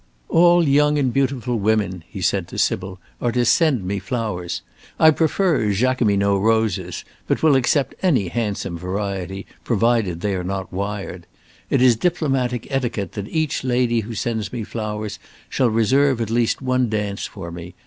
"All young and beautiful women," said he to Sybil, "are to send me flowers. I prefer Jacqueminot roses, but will accept any handsome variety, provided they are not wired. It is diplomatic etiquette that each lady who sends me flowers shall reserve at least one dance for me.